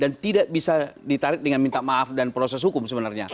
dan tidak bisa ditarik dengan minta maaf dan proses hukum sebenarnya